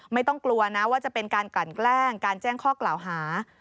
ไม่ต้องกลัวนะว่าจะเป็นการกลั่นแกล้งการแจ้งข้อกล่าวหา